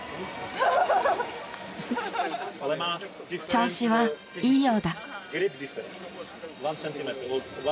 調子はいいようだ。